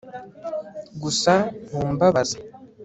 gusa ntumbabaza